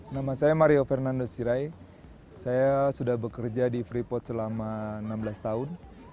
nama saya mario fernando sirai saya sudah bekerja di freeport selama enam belas tahun